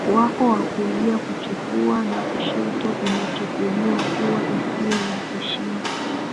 wako wa kulia Kuchukua na kushoto inachukuliwa kuwa isiyo ya heshima